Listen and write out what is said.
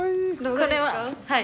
これははい。